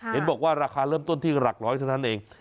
เห็นบอกว่าราคาเริ่มต้นที่หลักร้อยเท่านั้นเอง